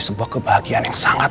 sebuah kebahagiaan yang sangat